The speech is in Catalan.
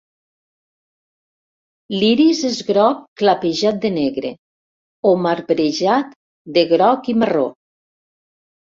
L'iris és groc clapejat de negre o marbrejat de groc i marró.